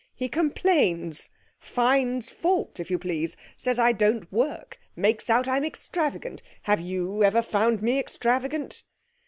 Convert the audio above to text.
He complains! Finds fault, if you please! Says I don't work makes out I'm extravagant! Have you ever found me extravagant?'